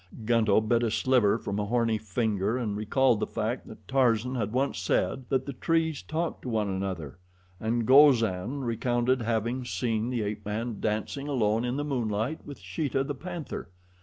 Gunto bit a sliver from a horny finger and recalled the fact that Tarzan had once said that the trees talked to one another, and Gozan recounted having seen the ape man dancing alone in the moonlight with Sheeta, the panther.